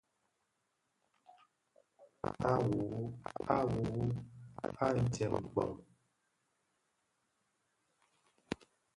A wuwu, a wuwu, à tsem pong.